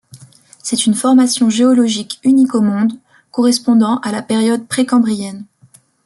C'est une formation géologique unique au monde, correspondant à la période précambrienne.